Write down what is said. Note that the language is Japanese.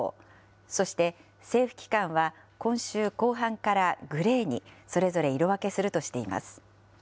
そして政府機関は、今週後半からグレーに、それぞれ色分けするとしています。